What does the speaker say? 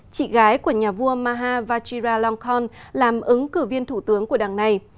chị gái của nhà vua maha vajiralongkorn làm ứng cử viên thủ tướng của đảng này